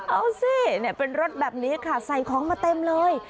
เอาสิเป็นรถแบบนี้ค่ะใส่ของมาเต็มเลย